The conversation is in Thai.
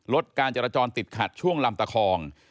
การจราจรติดขัดช่วงลำตะคอง